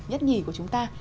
nhất nhì của chúng ta